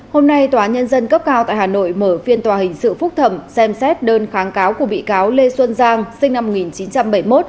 hôm nay tòa nhân dân cấp cao tại hà nội mở phiên tòa hình sự phúc thẩm xem xét đơn kháng cáo của bị cáo lê xuân giang sinh năm một nghìn chín trăm bảy mươi một